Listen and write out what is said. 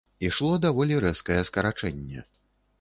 Ішло даволі рэзкае скарачэнне!